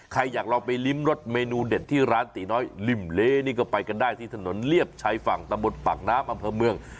ใครอยากลองไปริมรสเมนูเด็ดที่ร้านตีน้อยริมเลนี่ก็ไปกันได้ที่ถนนเรียบชายฝั่งตะบนปากน้ำอำเภอเมือง